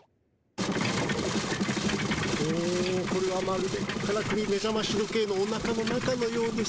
おこれはまるでからくりめざまし時計のおなかの中のようです。